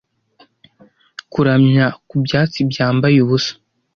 kuramya ku byatsi byambaye ubusa